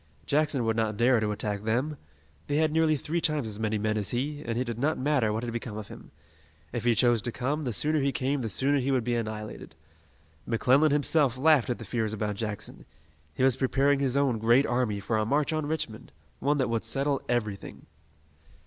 Jackson would not dare to attack them. They had nearly three times as many men as he, and it did not matter what had become of him. If he chose to come, the sooner he came, the sooner he would be annihilated. McClellan himself laughed at the fears about Jackson. He was preparing his own great army for a march on Richmond, one that would settle everything.